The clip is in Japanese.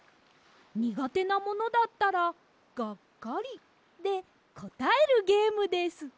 にがてなものだったらがっかり」でこたえるゲームです！